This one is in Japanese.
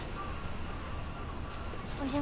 お邪魔。